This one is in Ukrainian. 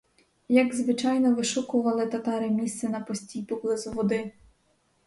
Як звичайно вишукували татари місце на постій поблизу води.